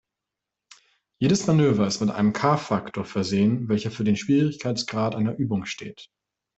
Jedes Manöver ist mit einem „K“-Faktor versehen, welcher für den Schwierigkeitsgrad einer Übung steht.